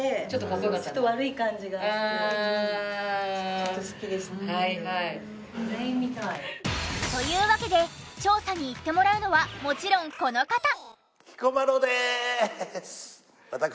ちょっとかっこよかったんだ？というわけで調査に行ってもらうのはもちろんこの方！